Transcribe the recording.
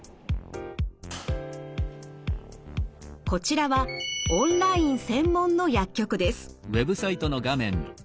こちらはオンライン専門の薬局です。